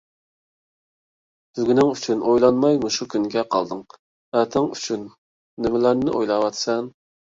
بۈگۈنىڭ ئۈچۈن ئويلانماي مۇشۇ كۈنگە قالدىڭ، ئەتەڭ ئۈچۈن نېمىلەرنى ئويلاۋاتىسەن؟!